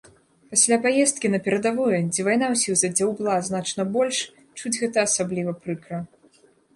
Пасля паездкі на перадавую, дзе вайна ўсіх задзяўбла значна больш, чуць гэта асабліва прыкра.